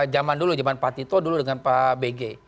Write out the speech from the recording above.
zaman dulu zaman pak tito dulu dengan pak bg